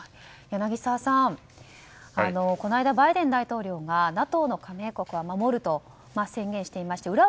柳澤さん、この間バイデン大統領がＮＡＴＯの加盟国は守ると宣言していました。